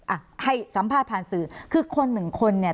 อ่ะให้สัมภาษณ์ผ่านสื่อคือคนหนึ่งคนเนี่ย